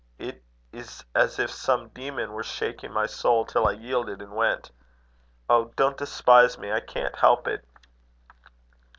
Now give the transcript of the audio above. It is as if some demon were shaking my soul till I yielded and went. Oh! don't despise me. I can't help it."